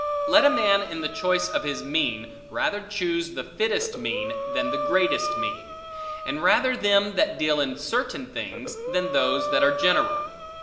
Let a man, in the choice of his mean, rather choose the fittest mean, than the greatest mean; and rather them that deal in certain things, than those that are general.